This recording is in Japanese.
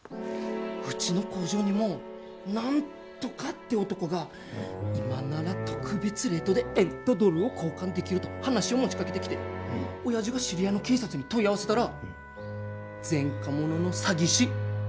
うちの工場にもナントカって男が今なら特別レートで円とドルを交換できると話を持ちかけてきて親父が知り合いの警察に問い合わせたら前科者の詐欺師。